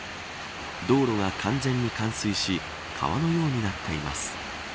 道路は完全に冠水し川のようになっています。